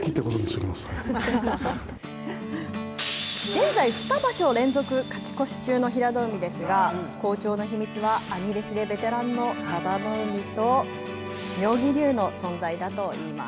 現在、２場所連続勝ち越し中の平戸海ですが、好調の秘密は、兄弟子でベテランの佐田の海と、妙義龍の存在だといいます。